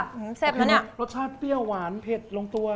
รสชาติเปรี้ยวหวานเผ็ดลงตัว